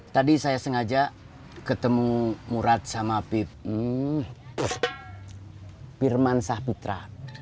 tadi saya sengaja ketemu murad sama firman sahputra